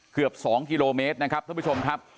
เกือบ๒กิโลเมตรนะครับท่านผู้ชมครับ